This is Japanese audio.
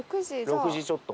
６時ちょっと。